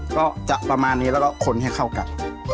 ก็จะประมาณนี้แล้วก็คนให้เข้ากัน